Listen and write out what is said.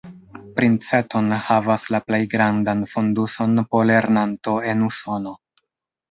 Princeton havas la plej grandan fonduson po lernanto en Usono.